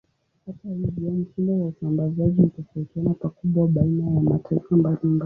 Hata hivyo, mtindo wa usambazaji hutofautiana pakubwa baina ya mataifa mbalimbali.